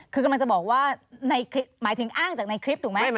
คือกำลังจะบอกว่าหมายถึงอ้างจากในคลิปถูกไหม